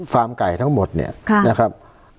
ไก่ทั้งหมดเนี่ยนะครับ